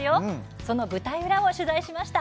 その舞台裏を取材しました。